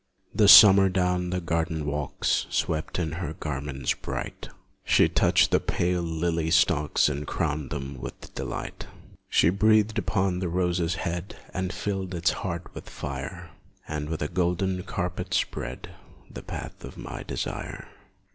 THE summer down the garden walks Swept in her garments bright; She touched the pale still lily stalks And crowned them with delight; She breathed upon the rose's head And filled its heart with fire, And with a golden carpet spread The path of my desire.